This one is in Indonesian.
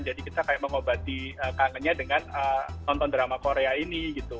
jadi kita kayak mengobati kangennya dengan nonton drama korea ini gitu